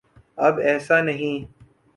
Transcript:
اب ایسا نہیں۔